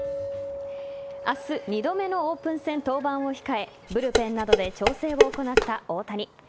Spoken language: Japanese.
明日、２度目のオープン戦登板を控えブルペンなどで調整を行った大谷。